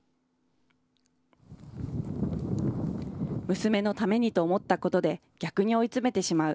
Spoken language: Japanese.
娘のためにと思ったことで逆に追い詰めてしまう。